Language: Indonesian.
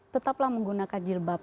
tetaplah menggunakan jilbab